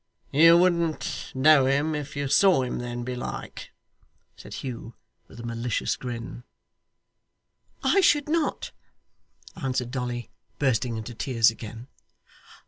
'You wouldn't know him if you saw him then, belike?' said Hugh with a malicious grin. 'I should not,' answered Dolly, bursting into tears again.